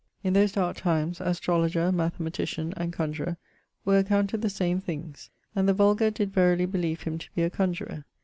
In those darke times astrologer, mathematician, and conjurer, were accounted the same things; and the vulgar did verily beleeve him to be a conjurer.